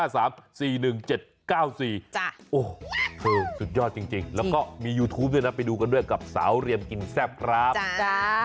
โอ้โหสุดยอดจริงแล้วก็มียูทูปด้วยนะไปดูกันด้วยกับสาวเรียมกินแซ่บครับ